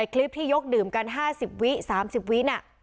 คลิปที่ยกดื่มกัน๕๐วินาที๓๐วินาที